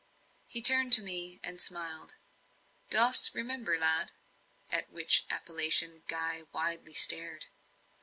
He turned to me and smiled. "Dost remember, lad?" at which appellation Guy widely stared.